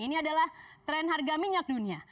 ini adalah tren harga minyak dunia